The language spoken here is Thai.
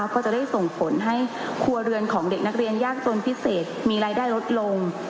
ก็จะได้ส่งผลให้ครัวเรือนของเด็กนักเรียนยากจนพิเศษมีรายได้ลดลง